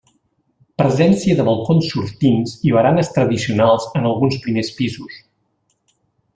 Presència de balcons sortints i baranes tradicionals en alguns primers pisos.